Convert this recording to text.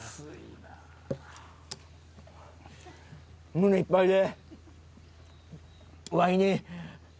胸いっぱいで。